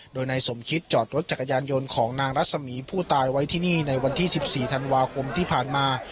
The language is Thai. โดยนายสมคิตจอดรถจักรยานยนต์ของนางรัศมีผู้ตายไว้ที่นี่ในวันที่๑๔ธันวาคมที่ผ่านมา